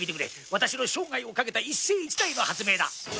私の生涯をかけた一世一代の発明だ。